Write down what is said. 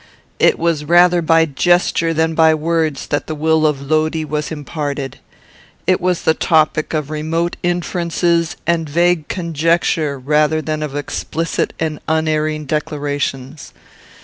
"It was rather by gesture than by words that the will of Lodi was imparted. It was the topic of remote inferences and vague conjecture rather than of explicit and unerring declarations.